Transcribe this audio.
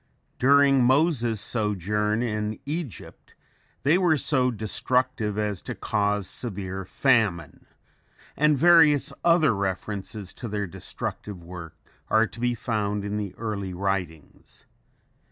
During Moses' sojourn in Egypt they were so destructive as to cause severe famine and various other references to their destructive work are to be found in the early writings.